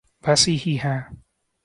ویسی ہی ہیں۔